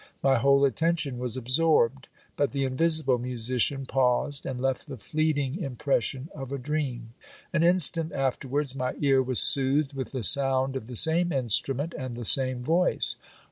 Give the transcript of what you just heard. My whole attention was absorbed ; but the invisible musician paused, and left the fleeting impression of a dream. An instant after wards, my ear was soothed with the sound of the same instrument, and the same voice.